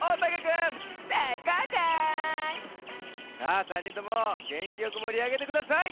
さあ３にんともげんきよくもりあげてください。